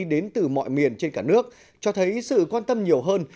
đến từ mọi miền trên cả nước cho thấy sự quan tâm nhiều hơn